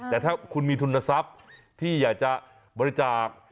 แต่ถ้าคุณมีทุนทรัพย์ที่อยากจะบริจาค